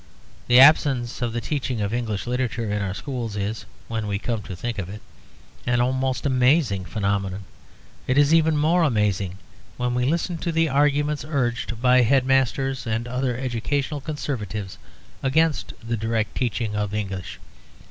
The absence of the teaching of English literature in our schools is, when we come to think of it, an almost amazing phenomenon. It is even more amazing when we listen to the arguments urged by headmasters and other educational conservatives against the direct teaching of English.